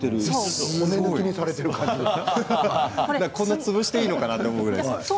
こんなに潰していいのかなと思うぐらい。